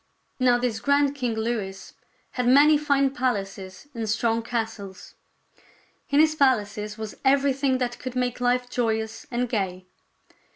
Now this grand King Louis had many fine palaces and 'strong castles. In his palaces was everything that could make life joyous and gay.